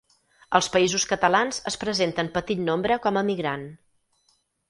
Als Països Catalans es presenta en petit nombre com a migrant.